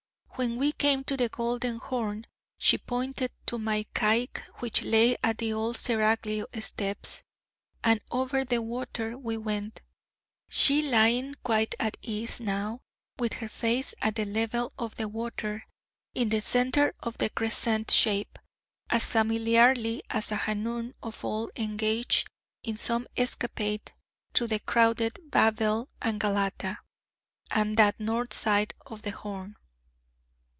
When we came to the Golden Horn, she pointed to my caique which lay at the Old Seraglio steps, and over the water we went, she lying quite at ease now, with her face at the level of the water in the centre of the crescent shape, as familiarly as a hanum of old engaged in some escapade through the crowded Babel of Galata and that north side of the Horn.